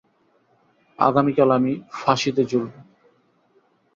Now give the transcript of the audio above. আগামীকাল আমি ফাঁসিতে ঝুলব।